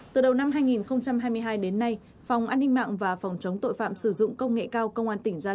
từ đầu năm hai nghìn hai mươi hai đến nay phòng an ninh mạng và phòng chống tội phạm sử dụng công nghệ cao công an tỉnh gia lai